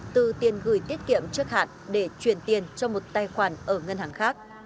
từ tiền gửi tiết kiệm trước hạn để chuyển tiền cho một tài khoản ở ngân hàng khác